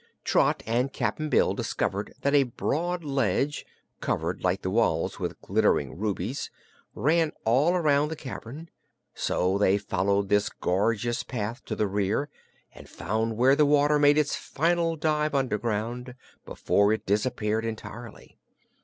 Trot and Cap'n Bill discovered that a broad ledge covered, like the walls, with glittering rubies ran all around the cavern; so they followed this gorgeous path to the rear and found where the water made its final dive underground, before it disappeared entirely.